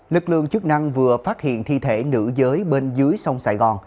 lực lượng chức năng vừa phát hiện thi thể nữ giới bên dưới sông sài gòn